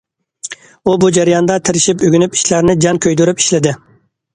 ئۇ بۇ جەرياندا تىرىشىپ ئۆگىنىپ، ئىشلارنى جان كۆيدۈرۈپ ئىشلىدى.